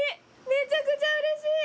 めちゃくちゃうれしい。